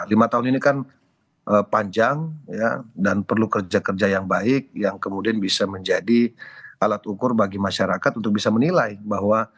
lima tahun ini kan panjang dan perlu kerja kerja yang baik yang kemudian bisa menjadi alat ukur bagi masyarakat untuk bisa menilai bahwa